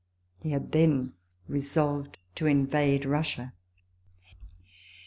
He had then resolved to invade Russia.